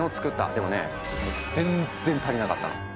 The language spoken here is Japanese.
でもね全然足りなかったの。